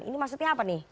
ini maksudnya apa nih